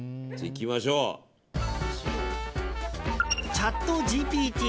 チャットＧＰＴ。